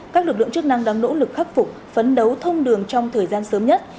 các lực lượng chức năng đang nỗ lực khắc phục phấn đấu thông đường trong thời gian sớm nhất